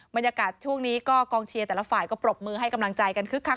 บรรยากาศช่วงนี้ก็กองเชียร์แต่ละฝ่ายก็ปรบมือให้กำลังใจกันคึกคัก